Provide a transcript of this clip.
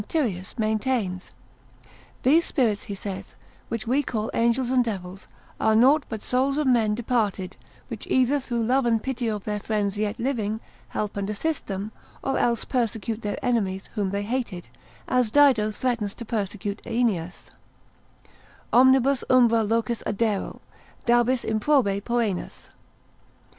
Tyrius, ser. 27 maintains. These spirits, he saith, which we call angels and devils, are nought but souls of men departed, which either through love and pity of their friends yet living, help and assist them, or else persecute their enemies, whom they hated, as Dido threatened to persecute Aeneas: Omnibus umbra locis adero: dabis improbe poenas.